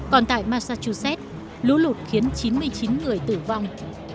còn tại massachusett lũ lụt khiến chín mươi chín người tử vong